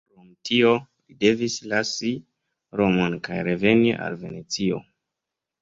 Krom tio, li devis lasi Romon kaj reveni al Venecio.